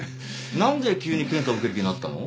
何で急に検査受ける気になったの？